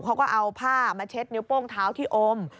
เขาก็เอาผ้ามาเช็ดนิ้วโป้งเท้าที่อม